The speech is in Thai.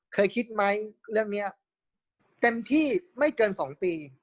เคยคิดไหมเรื่องนี้เต็มที่ไม่เกิน๒ปี